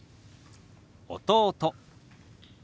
「弟」。